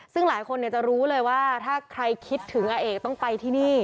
ซึ่งหลายคนจะรู้เลยว่าถ้าใครคิดถึงอาเอกต้องไปที่นี่